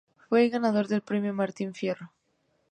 Fue ganador del premio Martín Fierro.